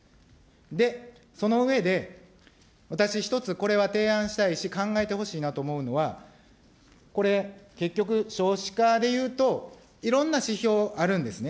で、その上で、私１つ、これは提案したいし、考えてほしいなと思うのは、これ、結局少子化でいうと、いろいろな指標あるんですね。